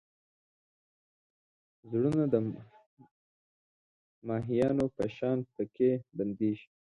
زړونه د ماهیانو په شان پکې بندېږي.